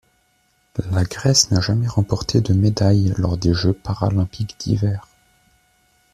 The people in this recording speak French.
La Grèce n'a jamais remporté de médaille lors des Jeux paralympiques d'hiver.